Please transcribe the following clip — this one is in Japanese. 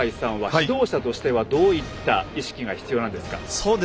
指導者としてはどういった意識が必要なんですか。